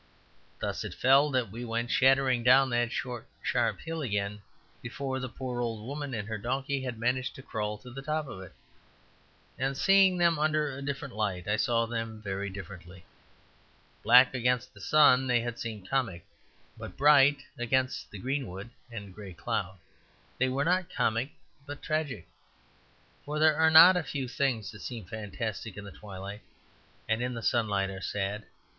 Thus it fell that we went shattering down that short, sharp hill again before the poor old woman and her donkey had managed to crawl to the top of it; and seeing them under a different light, I saw them very differently. Black against the sun, they had seemed comic; but bright against greenwood and grey cloud, they were not comic but tragic; for there are not a few things that seem fantastic in the twilight, and in the sunlight are sad.